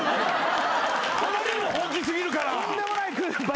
あまりにも本気過ぎるから。